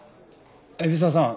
海老沢さん